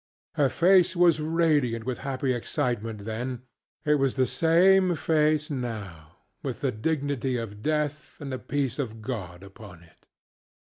Her face was radiant with happy excitement then; it was the same face now, with the dignity of death and the peace of God upon it.